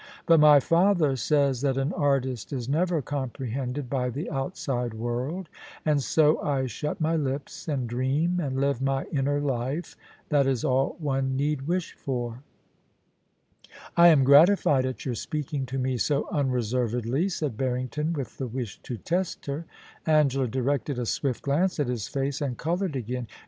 But my father says that an artist is never comprehended by the outside world, and so I shut my lips, and dream and live my inner life — that is all one need wish for.* * I am gratified at your speaking to me so unreservedly,* said Barrington, with the wish to test her. Angela directed a swift glance at his face, and coloured again.